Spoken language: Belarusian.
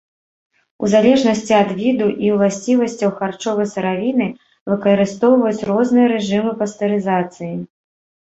У залежнасці ад віду і уласцівасцяў харчовай сыравіны выкарыстоўваюць розныя рэжымы пастэрызацыі.